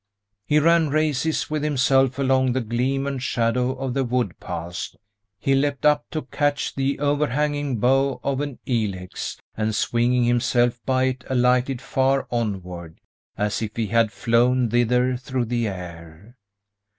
He ran races with himself along the gleam and shadow of the wood paths. He leapt up to catch the overhanging bough of an ilex, and swinging himself by it alighted far onward, as if he had flown thither through the air.